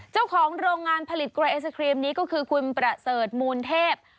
เจ้าของโรงงานผลิตกลวยไอศครีมนี้ก็คือคุณประเสริฐมูลเทพ